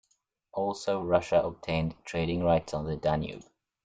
Also, Russia obtained trading rights on the Danube.